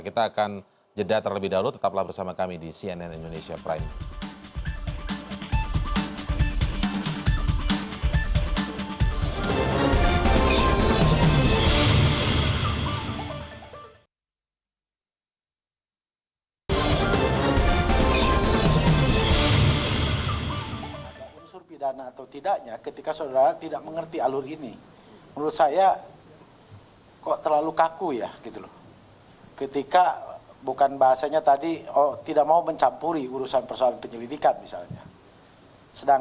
kita akan jeda terlebih dahulu tetaplah bersama kami di cnn indonesia prime